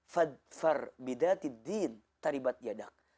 fadfar bidatiddin taribat yadang